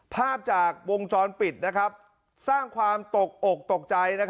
ภาพจากวงจรปิดสร้างความตกอกตกใจ